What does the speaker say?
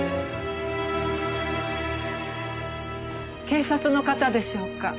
警察の方でしょうか？